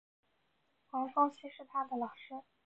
黄宗羲是他的老师。